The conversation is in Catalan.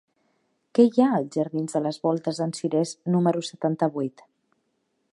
Què hi ha als jardins de les Voltes d'en Cirés número setanta-vuit?